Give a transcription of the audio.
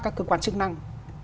các cơ quan chức năng